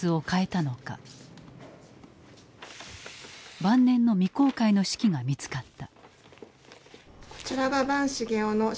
晩年の未公開の手記が見つかった。